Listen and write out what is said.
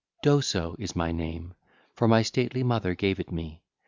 Doso is my name, for my stately mother gave it me.